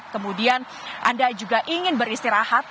kemudian anda juga ingin beristirahat